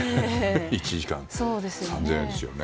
１時間３０００円ですよね。